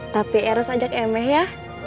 tapi er harus ajak emeh ya